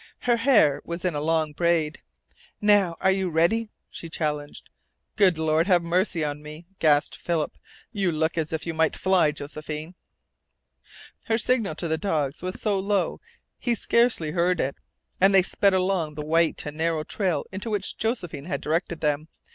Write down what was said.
Her hair was in a long braid. "Now, are you ready?" she challenged. "Good Lord, have mercy on me!" gasped Philip. "You look as if you might fly, Josephine!" Her signal to the dogs was so low he scarcely heard it, and they sped along the white and narrow trail into which Josephine had directed them.